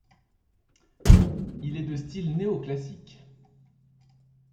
Il est de style néo-classique.